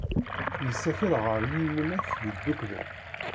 Yessakel ɣer Yiwunak Yeddukklen.